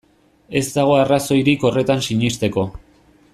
Ez dago arrazoirik horretan sinesteko.